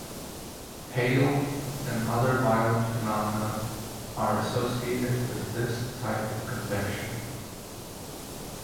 Hail and other violent phenomena are associated with this type of convection.